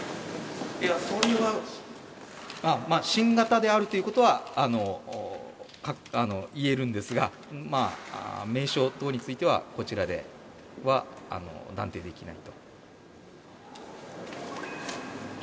新型であるということは言えるんですが、名称等については、こちらでは断定できないと。